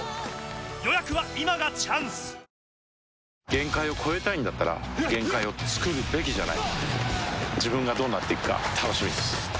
限界を越えたいんだったら限界をつくるべきじゃない自分がどうなっていくか楽しみです